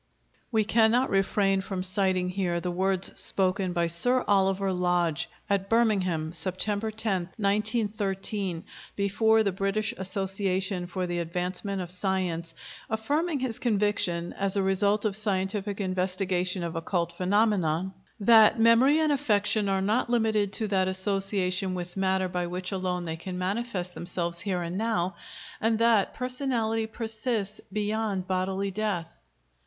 We cannot refrain from citing here the words spoken by Sir Oliver Lodge at Birmingham, Sept. 10, 1913, before the British Association for the Advancement of Science, affirming his conviction, as a result of scientific investigation of occult phenomena, "that memory and affection are not limited to that association with matter by which alone they can manifest themselves here and now, and that personality persists beyond bodily death."